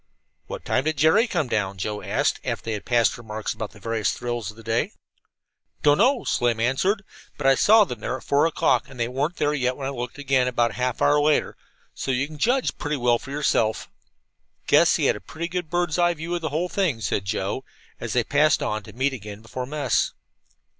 "What time did Jerry come down?" Joe asked, after they had passed remarks about the various thrills of the day. "Don't know," Slim answered, "but I saw them there at four o'clock, and they weren't there when I looked again, about half an hour later, so you can judge pretty well for yourself." "Guess he had a pretty good bird's eye view of the whole thing," said Joe, as they passed on, to meet again before mess.